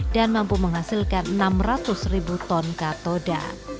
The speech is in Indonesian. dan mampu menghasilkan enam ratus ribu ton katoda